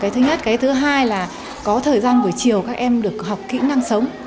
thứ nhất cái thứ hai là có thời gian buổi chiều các em được học kỹ năng sống